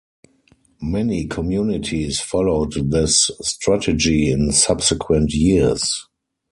Many communities followed this strategy in subsequent years.